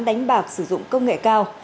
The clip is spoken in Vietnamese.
đánh bạc sử dụng công nghệ cao